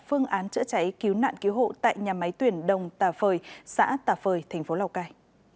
phương án chữa cháy cứu nạn cứu hộ tại nhà máy tuyển đồng tà phời xã tà phời thành phố lào cai